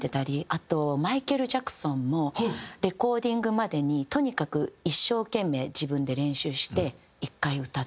あとマイケル・ジャクソンもレコーディングまでにとにかく一生懸命自分で練習して。